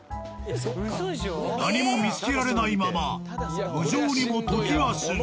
何も見つけられないまま無情にも時は過ぎ。